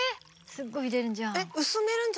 すっごい入れんじゃん。